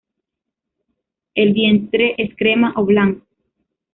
El vientre es crema o blanco.